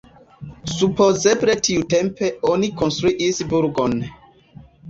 Supozeble tiutempe oni konstruis burgon.